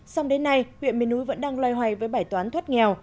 xong đến nay huyện miền núi vẫn đang loay hoay với bài toán thoát nghèo